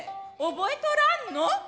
覚えとらんの？